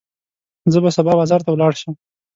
زه به سبا بازار ته ولاړ شم.